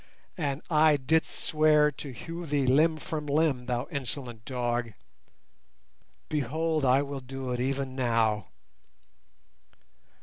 And I didst swear to hew thee limb from limb, thou insolent dog. Behold, I will do it even now!"